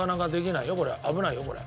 危ないよこれ。